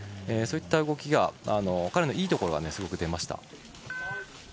そういった動きが彼のいいところがすごく出ました。